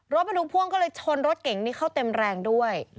รถบรรทุกพ่วงก็เลยชนรถเก่งนี้เข้าเต็มแรงด้วย